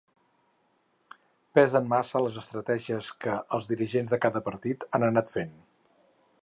Pesen massa les estratègies que els dirigents de cada partit han anat fent.